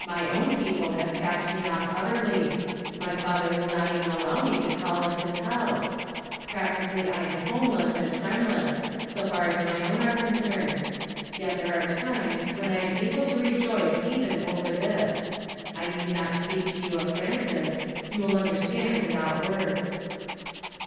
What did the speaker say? My own people have cast me off utforly. My father will not even allow me to call at his house. T'laeticaily I am hnmeless and friendless, so far as J "OtVE t?S FtKLP PtlOM tROUnLR.'* 268 my own are concerned ; yet there are times whn I am able to rejoii;e even over iliis. I need u > si)eiik to you t)f FnuiceH; you will undereuind without worda."